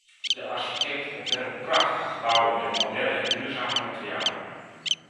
De architect ontwerpt prachtige gebouwen met moderne en duurzame materialen.